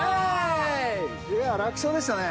いや楽勝でしたね。